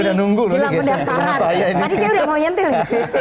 tadi saya udah mau nyentil nih